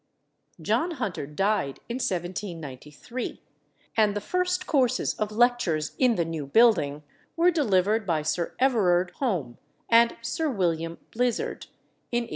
John Hunter died in 1793; and the first courses of lectures in the new building were delivered by Sir Everard Home and Sir William Blizard, in 1810.